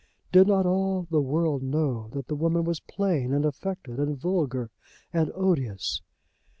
Did not all the world know that the woman was plain and affected, and vulgar, and odious?